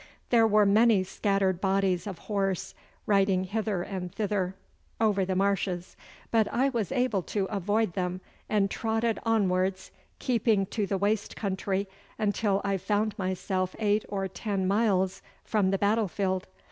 There were many scattered bodies of horse riding hither and thither over the marshes, but I was able to avoid them, and trotted onwards, keeping to the waste country until I found myself eight or ten miles from the battlefield.